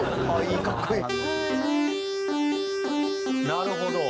なるほど。